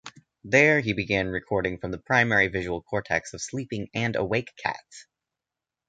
There, he began recording from the primary visual cortex of sleeping and awake cats.